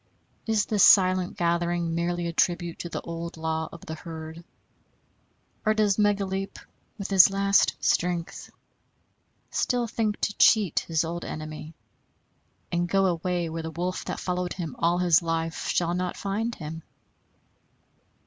Is this silent gathering merely a tribute to the old law of the herd, or does Megaleep, with his last strength, still think to cheat his old enemy, and go away where the wolf that followed him all his life shall not find him?